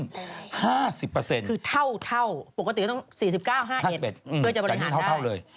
คือเท่าปกติต้อง๔๙๕๑เพื่อจะบริหารได้